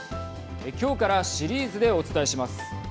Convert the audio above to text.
今日からシリーズでお伝えします。